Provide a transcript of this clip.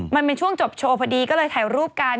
มันเป็นช่วงจบโชว์พอดีก็เลยถ่ายรูปกัน